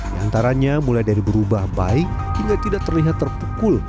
di antaranya mulai dari berubah baik hingga tidak terlihat terpukul